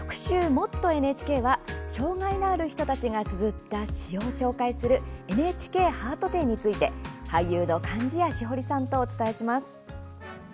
「もっとＮＨＫ」は障害のある人たちがつづった詩を紹介するＮＨＫハート展について俳優の貫地谷しほりさんとお伝えします。